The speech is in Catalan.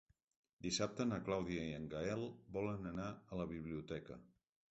Dissabte na Clàudia i en Gaël volen anar a la biblioteca.